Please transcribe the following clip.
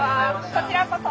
こちらこそ。